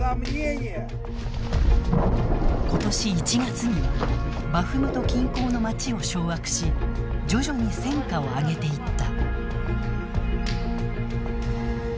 今年１月にはバフムト近郊の街を掌握し徐々に戦果を上げていった。